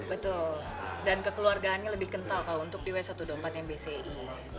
betul dan kekeluargaannya lebih kental kalau untuk di w satu ratus dua puluh empat mbci